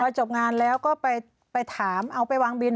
จบงานแล้วก็ไปถามเอาไปวางบิน